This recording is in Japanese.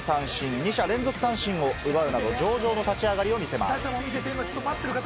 ２者連続三振を奪うなど、上々の立ち上がりを見せます。